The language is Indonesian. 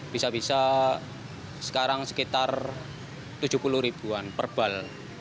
bisa bisa sekarang sekitar rp tujuh puluh per bal